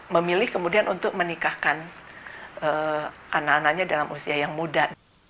memilih kemudian untuk menikahkan anak anaknya dalam usia yang muda